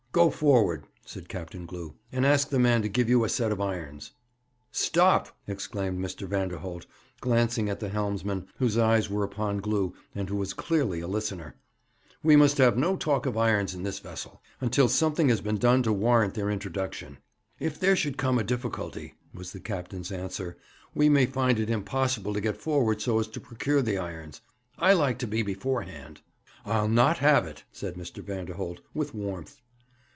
'Go forward,' said Captain Glew, 'and ask the man to give you a set of irons.' 'Stop!' exclaimed Mr. Vanderholt, glancing at the helmsman, whose eyes were upon Glew, and who was clearly a listener. 'We must have no talk of irons in this vessel, until something has been done to warrant their introduction.' 'If there should come a difficulty,' was the captain's answer, 'we may find it impossible to get forward so as to procure the irons. I like to be beforehand.' 'I'll not have it!' said Mr. Vanderholt, with warmth.